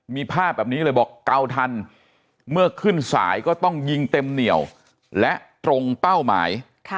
มีภาพแบบนี้เลยบอกเกาทันเมื่อขึ้นสายก็ต้องยิงเต็มเหนียวและตรงเป้าหมาย